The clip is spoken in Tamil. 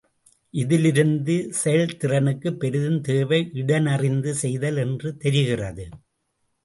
இதிலிருந்து செயல்திறனுக்கு பெரிதும் தேவை இடனறிந்து செய்தல் என்று தெரிகிறது.